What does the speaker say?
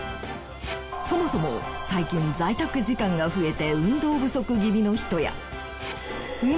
そもそも最近在宅時間が増えて運動不足気味の人や。